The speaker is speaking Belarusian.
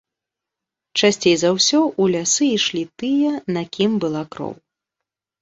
Часцей за ўсё, у лясы ішлі тыя, на кім была кроў.